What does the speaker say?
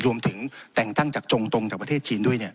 รวมถึงแต่งตั้งจากจงตรงจากประเทศจีนด้วย